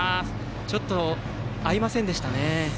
ちょっと合いませんでしたね。